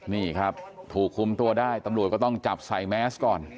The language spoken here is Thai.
นี่ครับถูกคุมตัวได้ตำรวจก็ต้องจับใส่แมสก่อน